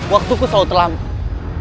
waktuku selalu terlampau